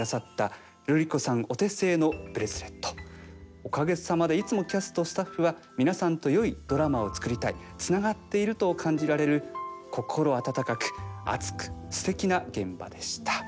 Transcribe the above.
おかげさまでいつもキャストスタッフは皆さんとよいドラマを作りたいつながっていると感じられる心温かく熱くすてきな現場でした」。